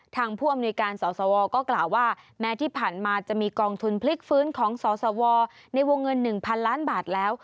ผู้อำนวยการสสวก็กล่าวว่าแม้ที่ผ่านมาจะมีกองทุนพลิกฟื้นของสสวในวงเงิน๑๐๐๐ล้านบาทแล้ว